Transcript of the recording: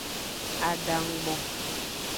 Adangumo.